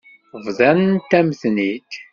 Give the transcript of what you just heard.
Bḍant-am-ten-id.